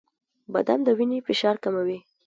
• بادام د وینې فشار کموي.